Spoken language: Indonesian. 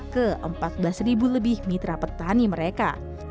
ke empat belas ribu lebih mitra petani mereka